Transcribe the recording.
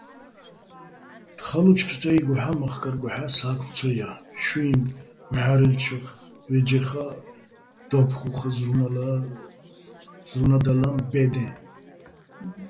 თხალუჩო̆ ფსტე́იგოჰ̦ა́ მახკარგოჰ̦ა́ სა́ქმ ცო ჲა, შუჲ მჵა́რელჩნა́ხ, ბე́ჯეხაე́ დო́უფხუხ ზრუნადალაჼ ბე́დეჼ.